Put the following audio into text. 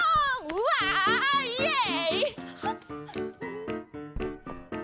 うわイエイ！